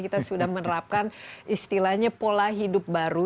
kita sudah menerapkan istilahnya pola hidup baru